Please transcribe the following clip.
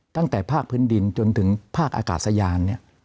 ตั้งแต่ภาคพื้นดินจนถึงภาคอากาศยาน